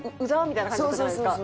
みたいな感じだったじゃないですか。